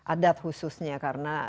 adat khususnya karena